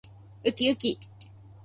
うきうき